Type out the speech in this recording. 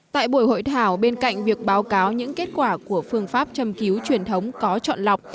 tại buổi hội thảo bên cạnh việc báo cáo những kết quả của phương pháp châm cứu truyền thống có chọn lọc